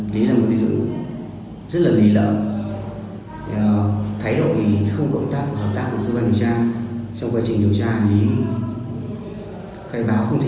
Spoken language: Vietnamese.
lý là một đối tượng rất là lý lợi thái đội không có hợp tác của cơ quan điều tra trong quá trình điều tra hành lý